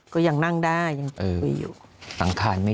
ก็ยังนั่งได้ยังคุยอยู่